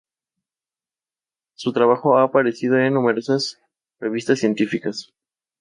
Su trabajo ha aparecido en numerosas revistas científicas.